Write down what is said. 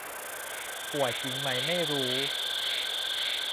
ป่วยจริงไหมไม่รู้